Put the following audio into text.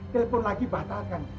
telepon lagi batalkan